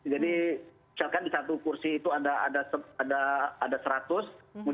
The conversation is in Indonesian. jadi misalkan di satu kursi itu ada seratus